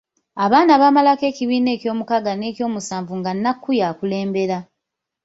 Abaana baamalako ekibiina eky’omukaaga n’ekyo'musanvu nga Nnakku y'akulembera.